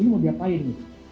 ini mau diapain nih